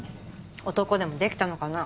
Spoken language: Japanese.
男でもできたのかな？